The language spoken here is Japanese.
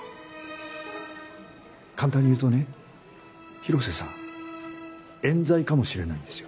簡単に言うとね広瀬さん冤罪かもしれないんですよ。